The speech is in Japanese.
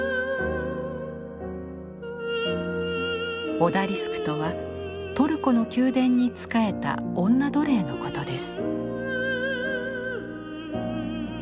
オダリスクとはトルコの宮殿に仕えた女奴隷のことです。